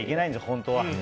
本当は。